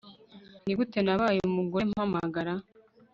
nigute nabaye umugore mpamagara